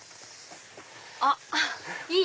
あっいい！